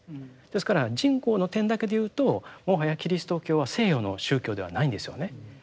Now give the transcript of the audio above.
ですから人口の点だけでいうともはやキリスト教は西洋の宗教ではないんですよね。